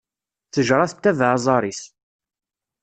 Ttejṛa tettabeɛ aẓar-is.